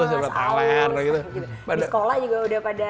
sekolah di sekolah juga udah pada